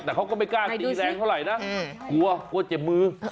แต่เขาก็ไม่กล้าตีแรงเท่าไหร่นะกลัวกลัวเจ็บมือ